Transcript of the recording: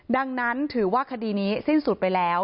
ดังนั้นถือว่าคดีนี้สิ้นสุดไปแล้ว